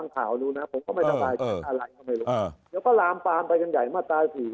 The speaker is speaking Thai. แต่ผู้ว่าเห็นว่าจะเริ่มลุยใหม่อีก